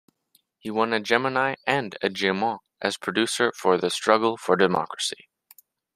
He won a Gemini and a Gemeaux as producer for "The Struggle for Democracy".